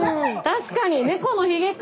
確かに猫のひげか！